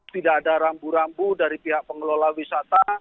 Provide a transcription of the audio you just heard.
tidak ada rambu rambu dari pihak pengelola wisata